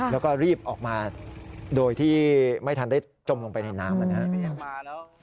แล้วก็รีบออกมาโดยที่ไม่ทันได้จมลงไปในน้ำนะครับ